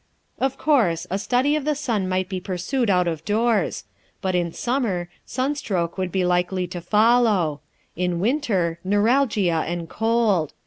Of course, a study of the sun might be pursued out of doors. But in summer, sunstroke would be likely to follow; in winter, neuralgia and cold.